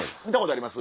あります